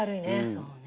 そうね。